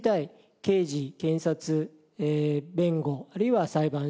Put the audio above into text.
刑事検察弁護あるいは裁判所。